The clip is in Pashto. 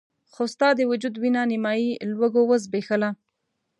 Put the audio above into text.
خو ستا د وجود وينه نيمایي لوږو وزبېښله.